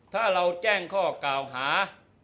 ถ้าเราแจ้งข้อกล่าวหา